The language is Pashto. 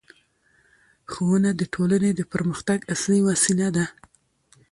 ښوونه د ټولنې د پرمختګ اصلي وسیله ده